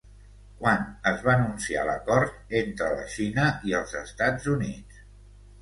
Quan es va anunciar l'acord entre la Xina i els Estats Units?